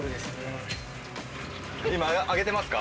今揚げてますか？